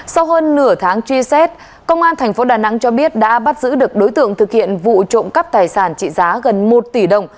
sau hơn nửa tháng truy xét công an tp đà nẵng cho biết đã bắt giữ được đối tượng thực hiện vụ trộm cắp tài sản trị giá gần một tỷ đồng